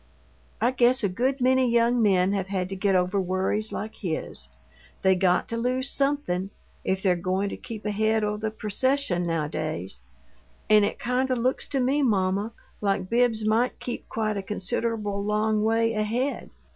I guess a good many young men have had to get over worries like his; they got to lose SOMETHING if they're goin' to keep ahead o' the procession nowadays and it kind o' looks to me, mamma, like Bibbs might keep quite a considerable long way ahead.